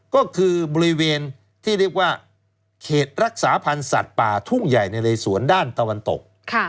ก็คือบริเวณที่เรียกว่าเขตรักษาพันธ์สัตว์ป่าทุ่งใหญ่ในเลสวนด้านตะวันตก